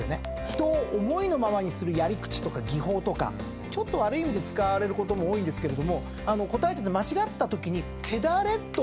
人を思いのままにするやり口とか技法とかちょっと悪い意味で使われることも多いんですけれども答えてて間違ったときに「てだれ」と。